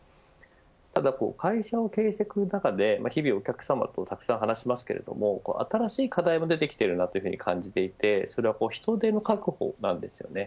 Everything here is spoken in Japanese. ただ会社を経営していく中で日々お客様とたくさん話しますけど新しい課題が出てきていると感じていてそれは、人手の確保なんです。